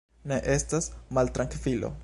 Ne estas maltrankvilo.